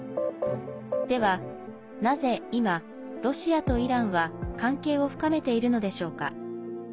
では、なぜ今、ロシアとイランは関係を深めているのでしょうか？